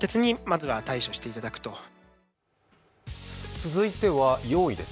続いては４位です。